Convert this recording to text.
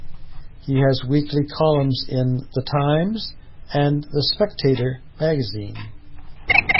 He has weekly columns in "The Times" and "The Spectator" magazine.